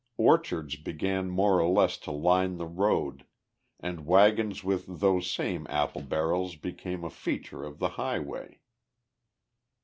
Orchards began more or less to line the road, and wagons with those same apple barrels became a feature of the highway.